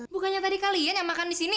bukannya tadi kalian yang makan disini